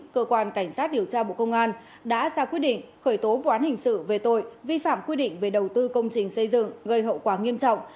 cơ quan cảnh sát điều tra bộ công an đã ra quyết định khởi tố vụ án hình sự về tội vi phạm quy định về đầu tư công trình xây dựng gây hậu quả nghiêm trọng